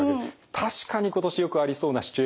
確かに今年よくありそうなシチュエーションですね。